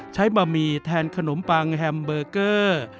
บะหมี่แทนขนมปังแฮมเบอร์เกอร์